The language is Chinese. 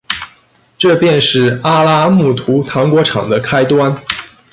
这便是阿拉木图糖果厂的开端。